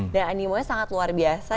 dan animenya sangat luar biasa